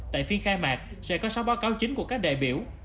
tại phiên khai mạc sẽ có sáu báo cáo chính của các đại biểu